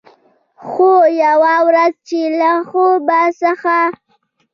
خو، یوه ورځ چې له خوب څخه